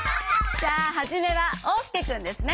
じゃあはじめはおうすけくんですね。